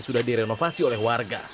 sudah direnovasi oleh warga